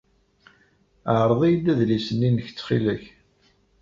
Ɛreḍ-iyi-d adlis-nni-inek ttxil-k.